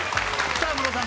さあムロさん